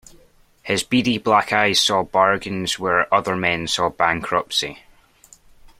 His beady black eyes saw bargains where other men saw bankruptcy.